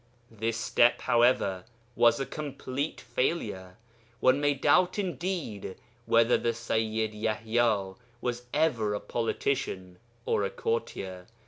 This step, however, was a complete failure. One may doubt indeed whether the Sayyid Yaḥya was ever a politician or a courtier.